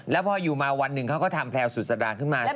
แล้วพออยู่มาวันหนึ่งเขาก็ทำแพลวสุดสดาขึ้นมา